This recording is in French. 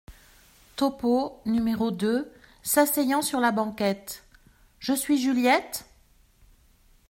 Topeau , n° deux, s’asseyant sur la banquette. — Je suis Juliette ?